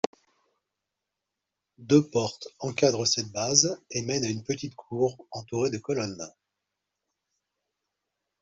Deux portes encadrent cette base et mènent à une petite cour entourée de colonnes.